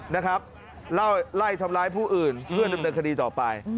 นะครับไล่ทำร้ายผู้อื่นเพื่อดำเนินคดีต่อไป